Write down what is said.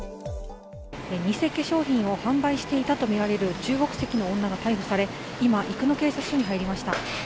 偽化粧品を販売していたとみられる中国籍の女が逮捕され今、警察署に入りました。